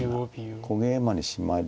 小ゲイマにシマリ。